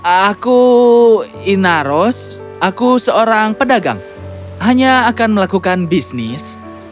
aku inaros aku seorang pedagang hanya akan melakukan bisnis